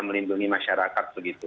melindungi masyarakat begitu